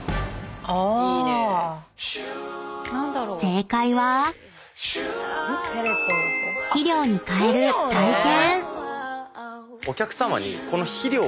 ［正解は肥料に変える体験］